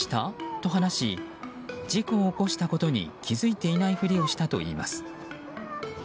と話し事故を起こしたことに気づいていないふりをしたといいます。